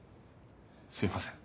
すいません。